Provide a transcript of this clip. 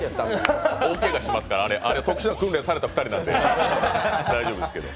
大けがしますからね、あれは特殊な訓練した２人なんで大丈夫ですけど。